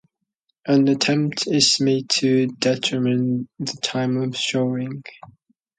An attempt is made to determine the time of sowing.